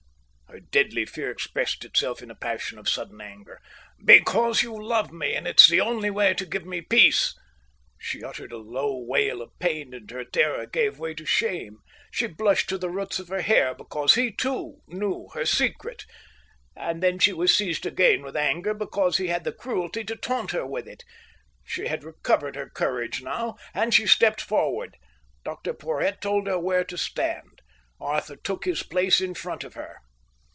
Her deadly fear expressed itself in a passion of sudden anger. "Because you love me, and it's the only way to give me peace." She uttered a low wail of pain, and her terror gave way to shame. She blushed to the roots of her hair because he too knew her secret. And then she was seized again with anger because he had the cruelty to taunt her with it. She had recovered her courage now, and she stepped forward. Dr. Porhoët told her where to stand. Arthur took his place in front of her.